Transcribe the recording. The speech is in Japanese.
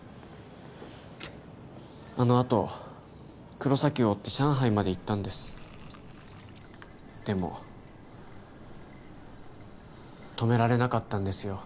あのあと黒崎を追って上海まで行ったんですでも止められなかったんですよ